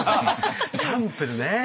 チャンプルーね。